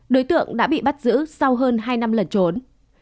đối tượng đã bị bắt giữ sau hơn hai năm lần trốn